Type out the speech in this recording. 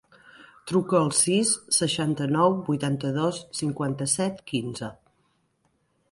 Truca al sis, seixanta-nou, vuitanta-dos, cinquanta-set, quinze.